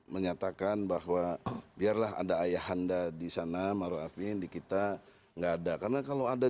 menyatakan bahwa biarlah ada ayahanda di sana maruahnya indi kita enggak ada karena kalau ada